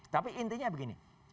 tapi intinya begini